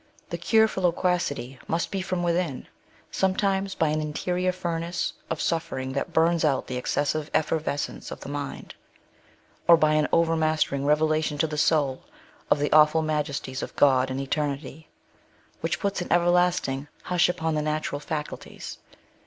The cure for loquacity must be from within ; sometimes by an interior furnace of suf fering that burns out the excessive effervescence of the mind, or by an overmastering revelation to the soul of the awful majesties of God and eternity, which puts an everlasting hush upon the natural faculties.